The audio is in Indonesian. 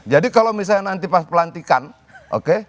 jadi kalau misalnya nanti pas pelantikan oke